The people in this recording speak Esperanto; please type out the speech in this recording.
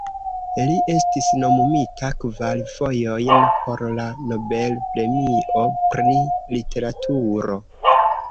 Li estis nomumita kvar fojojn por la Nobel-premio pri literaturo.